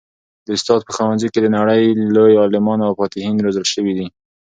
د استاد په ښوونځي کي د نړۍ لوی عالمان او فاتحین روزل سوي دي.